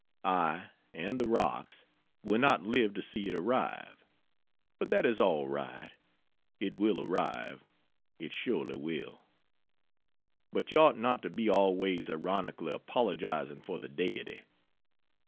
I (and the rocks) will not live to see it arrive, but that is all right it will arrive, it surely will. But you ought not to be always ironically apologizing for the Deity.